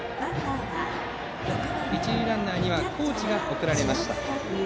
一塁ランナーには河内が送られました。